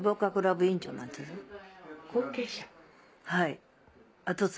はい。